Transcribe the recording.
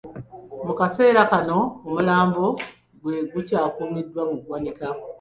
Mu kaseera kano, omulambo gwe gukyakuumibwa mu ggwanika.